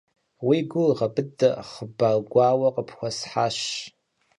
Уи гур гъэбыдэ, хъыбар гуауэ къыпхуэсхьащ.